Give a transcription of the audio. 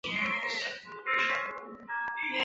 斡特懒返还回家。